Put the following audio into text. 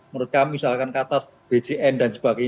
menurut kami misalkan kata bjn dan sebagainya